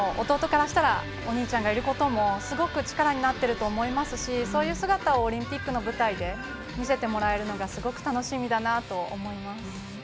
弟からしたらお兄ちゃんがいることをすごく力になっていると思いますしそういう姿をオリンピックの舞台で見せてもらえるのが楽しみだと思います。